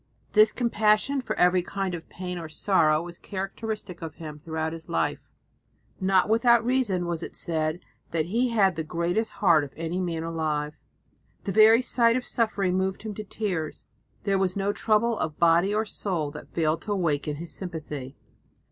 This compassion for every kind of pain or sorrow was characteristic of him throughout his life. Not without reason was it said that he had "the greatest heart of any man alive." The very sight of suffering moved him to tears; there was no trouble of body or soul that failed to awaken his sympathy.